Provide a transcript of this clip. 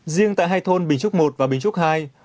riêng tại hai thôn bình trúc một và bình trúc ii